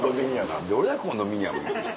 何で俺がコンドミニアムに。